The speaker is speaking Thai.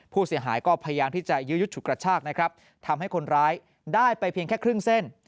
ผู้เสียหายก็พยายามที่จะยื้อยุดฉุดกระชากนะครับทำให้คนร้ายได้ไปเพียงแค่ครึ่งเส้น